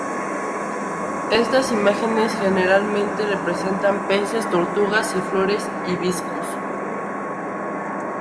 Estas imágenes generalmente representan peces, tortugas y flores hibiscus.